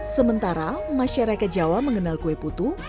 sementara masyarakat jawa mengenal kue putu